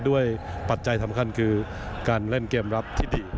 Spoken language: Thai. ปัจจัยสำคัญคือการเล่นเกมรับที่ดี